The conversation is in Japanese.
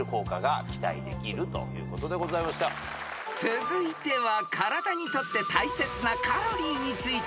［続いては体にとって大切なカロリーについて出題］